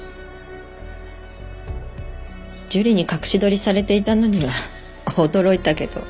樹里に隠し撮りされていたのには驚いたけど。